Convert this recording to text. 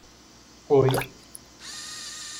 Oi.